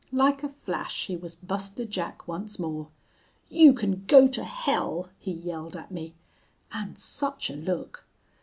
Like a flash he was Buster Jack once more. "You can go to hell!" he yelled at me. And such a look!...